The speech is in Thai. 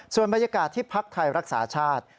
ส่วนบรรยากาศที่พักไทยรักษาชาติ